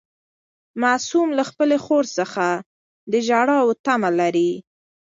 معصوم له خپلې خور څخه د ژاولو تمه لري.